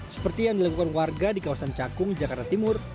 seperti yang dilakukan warga di kawasan cakung jakarta timur